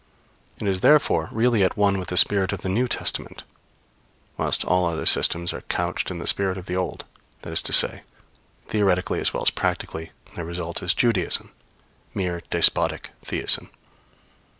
It is therefore really at one with the spirit of the New Testament, whilst all other systems are couched in the spirit of the Old; that is to say, theoretically as well as practically, their result is Judaism mere despotic theism.